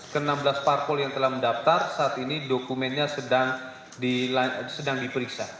ke enam belas parpol yang telah mendaftar saat ini dokumennya sedang diperiksa